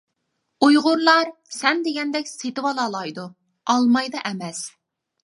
ئۇيغۇرلار سەن دېگەندەك سېتىۋالالايدۇ، ئالمايدۇ، ئەمەس.